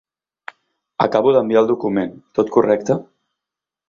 Acabo d'enviar el document, tot correcte?